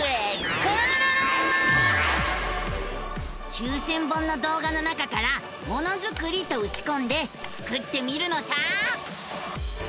９，０００本の動画の中から「ものづくり」とうちこんでスクってみるのさ！